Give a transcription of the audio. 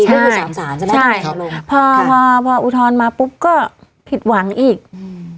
ใช่ใช่พอพอพออุทรมาปุ๊บก็ผิดหวังอีกอืม